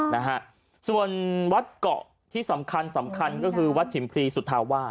นะฮะส่วนวัดเกาะที่สำคัญสำคัญก็คือวัดฉิมพรีสุธาวาส